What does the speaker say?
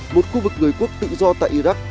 một khu vực người quốc tự do tại iraq